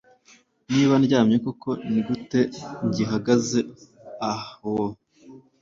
Niba ndyamye koko nigute ngihagaze Ah woo